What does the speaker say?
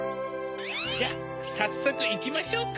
じゃさっそくいきましょうか。